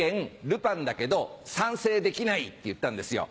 ルパンだけどサンセイできない」って言ったんですよ。